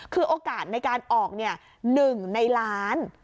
คือโอกาสในการออก๑ในล้าน